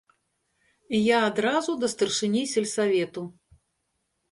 Я адразу да старшыні сельсавету.